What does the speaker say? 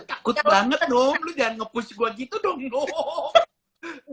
takut banget dong lu jangan nge pusih gue gitu dong